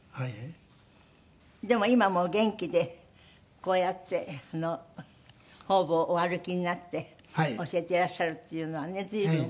でも今もお元気でこうやってほうぼうお歩きになって教えていらっしゃるっていうのはね随分。